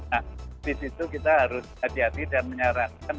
nah di situ kita harus hati hati dan menyarankan